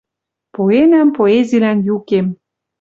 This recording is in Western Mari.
Пуэнӓм поэзилӓн юкем